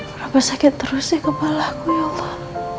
kenapa sakit terus ya kepalaku ya allah